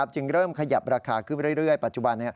จึงเริ่มขยับราคาขึ้นเรื่อยปัจจุบัน